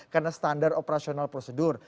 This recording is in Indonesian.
karena standar operasional prosedur